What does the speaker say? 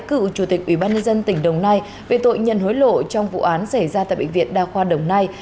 cựu chủ tịch ủy ban nhân dân tỉnh đồng nai về tội nhân hối lộ trong vụ án xảy ra tại bệnh viện đa khoa đồng nai